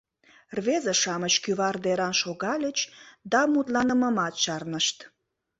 Рвезе-шамыч кӱвар деран шогальыч да мутланымымат чарнышт.